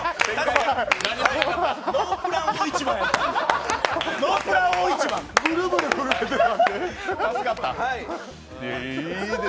ノープラン大一番やったんで。